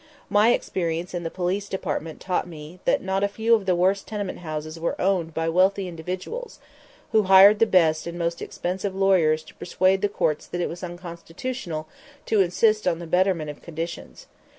My experience in the Police Department taught me that not a few of the worst tenement houses were owned by wealthy individuals, who hired the best and most expensive lawyers to persuade the courts that it was "unconstitutional" to insist on the betterment of conditions.